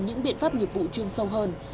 những biện pháp nghiệp vụ chuyên sâu hơn